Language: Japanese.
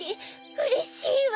うれしいわ！